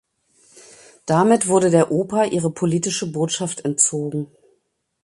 Damit wurde der Oper ihre politische Botschaft entzogen.